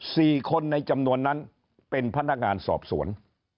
สี่คนในจำนวนนั้นเป็นพนักงานสอบสวน